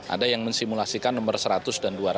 ada yang mensimulasikan nomor seratus dan dua ratus